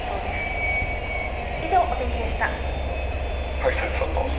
橋谷さんどうぞ。